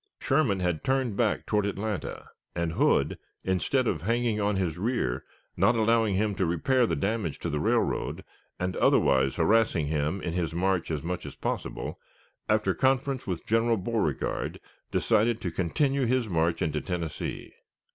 Sherman had turned back toward Atlanta, and Hood, instead of hanging on his rear, not allowing him to repair the damage to the railroad, and otherwise harassing him in his march as much as possible, after conference with General Beauregard, decided to continue his march into Tennessee.